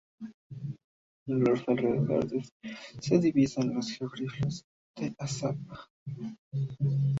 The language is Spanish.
En los alrededores se divisan los geoglifos de Azapa.